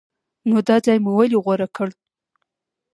نو دا ځای مو ولې غوره کړ؟